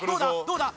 どうだ？